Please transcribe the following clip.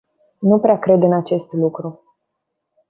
Nu prea mai cred în acest lucru.